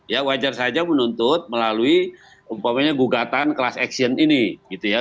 ya wajar saja menuntut melalui umpamanya gugatan class action ini gitu ya